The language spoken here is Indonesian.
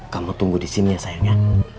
kamu tunggu disini ya sayang ya